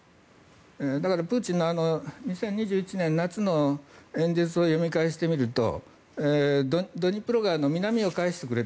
だからプーチンの２０２１年夏の演説を読み返してみるとドニプロ川の南を返してくれと。